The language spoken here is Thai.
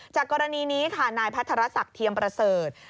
จากกรณีนี้ค่ะนายพัทรศักดิ์เทียมประเสริฐ